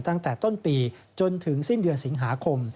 ตั้งแต่ต้นปีจนถึงสิ้นเดือนสิงหาคม